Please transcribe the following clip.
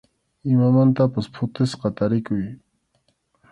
Imamantapas phutisqa tarikuy.